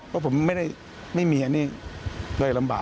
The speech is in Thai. เพราะผมไม่มีอันนี้เลยลำบาก